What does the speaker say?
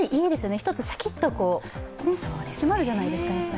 一つシャキッと締まるじゃないですか。